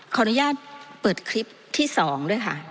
ขออนุญาตเปิดคลิปที่๒ด้วยค่ะ